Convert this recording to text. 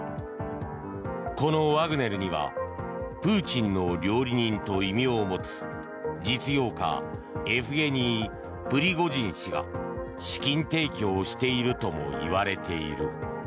このワグネルにはプーチンの料理人と異名を持つ実業家エフゲニー・プリゴジン氏が資金提供しているともいわれている。